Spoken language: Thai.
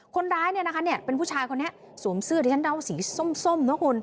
คนร้ายเนี่ยนะคะเป็นผู้ชายคนนี้สวมเสื้อที่ฉันเดาสีส้มนะคุณ